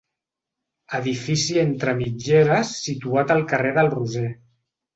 Edifici entre mitgeres situat al carrer del Roser.